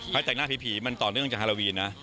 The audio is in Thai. แต่งหน้าผีมันต่อเนื่องจากฮาโลวีนนะ